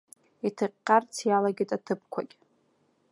Иҭыҟьҟьарц иалагеит атыԥқәагь.